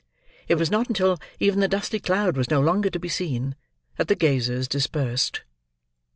It was not until even the dusty cloud was no longer to be seen, that the gazers dispersed.